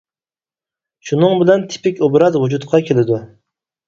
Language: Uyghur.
شۇنىڭ بىلەن تىپىك ئوبراز ۋۇجۇدقا كېلىدۇ.